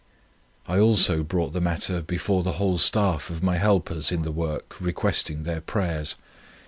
I also brought the matter before the whole staff of my helpers in the work requesting their prayers.